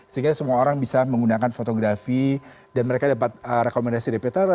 sehingga semua orang bisa menggunakan fotografi dan mereka dapat rekomendasi dari peter